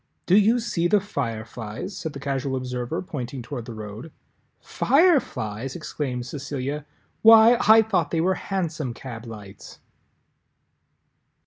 "Do you see the Fireflies?" said the Casual Observer, pointing toward the road. "Fireflies!" exclaimed Cecilia, "why, I thought they were hansom cab lights!"